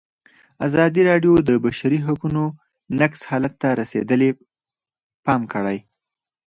ازادي راډیو د د بشري حقونو نقض حالت ته رسېدلي پام کړی.